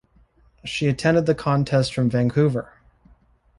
She attended the contest from Vancouver.